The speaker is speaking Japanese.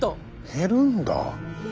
減るんだ！